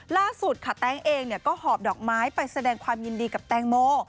ล่าสุดค่ะแต๊งเองก็หอบดอกไม้ไปแสดงความยินดีกับแตงโม